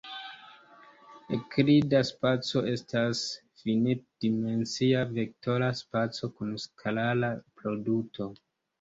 Eŭklida spaco estas finit-dimensia vektora spaco kun skalara produto.